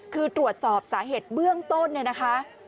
คือตรวจสอบสาเหตุเบื้องต้นเนี่ยนะคะ